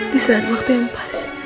di saat waktu yang pas